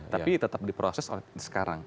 tapi tetap diproses sekarang